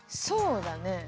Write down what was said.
そうだね。